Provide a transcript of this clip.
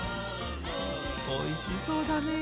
おいしそうだね。